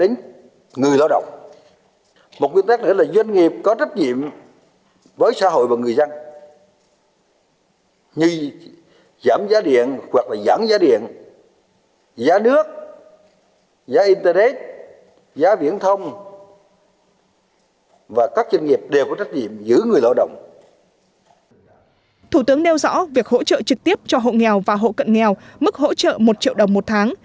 hỗ trợ trực tiếp cho hộ nghèo và hộ cận nghèo mức hỗ trợ một triệu đồng một tháng